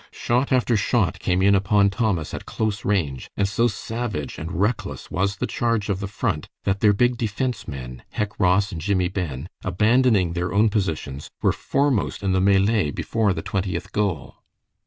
Shot after shot came in upon Thomas at close range, and so savage and reckless was the charge of the Front that their big defense men, Hec Ross and Jimmie Ben, abandoning their own positions, were foremost in the melee before the Twentieth goal.